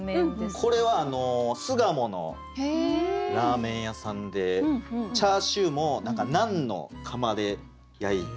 これは巣鴨のラーメン屋さんでチャーシューもナンの窯で焼いて。